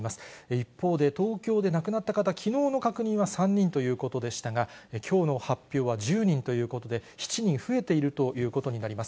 一方で、東京で亡くなった方、きのうの確認は３人ということでしたが、きょうの発表は１０人ということで、７人増えているということになります。